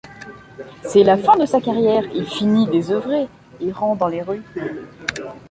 C'est la fin de sa carrière, il finit désoeuvré, errant dans les rues.